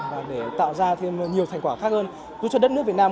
và để tạo ra thêm nhiều thành quả khác hơn giúp cho đất nước việt nam